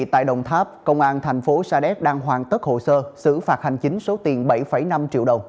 tại đồng tháp công an thành phố sa đéc đang hoàn tất hồ sơ xử phạt hành chính số tiền bảy năm triệu đồng